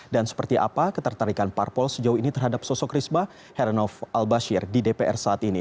dan seperti apa ketertarikan parpol sejauh ini terhadap sosok risma heranov al bashir di dpr saat ini